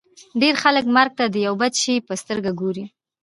ډېر خلک مرګ ته د یوه بد شي په سترګه ګوري